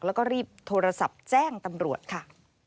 แล้วก็รีบโทรศัพท์แจ้งตำรวจค่ะ